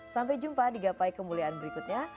sampai jumpa di gapai kemuliaan berikutnya